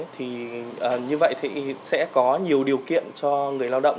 thì như vậy thì sẽ có nhiều điều kiện cho người lao động